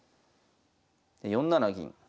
で４七銀。